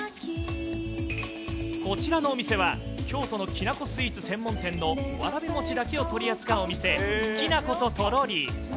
こちらのお店は、京都のきな粉スイーツ専門店の、わらび餅だけを取り扱うお店、きなこととろり。